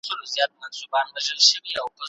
په المان کي ټولنپوهنې لوی بدلون وموند.